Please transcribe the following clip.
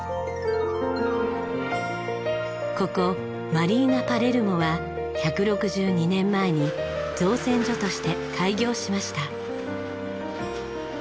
ここマリーナパレルモは１６２年前に造船所として開業しました。